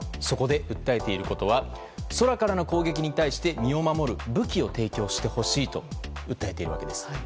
そこで訴えていることは空からの攻撃に対して身を守る武器を提供してほしいと訴えているわけです。